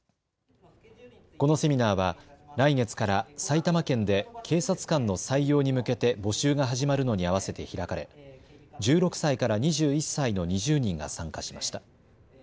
このセミナーは来月から埼玉県で警察官の採用に向けて募集が始まるのに合わせて開かれ１６歳から２１歳の２０人が参加しました。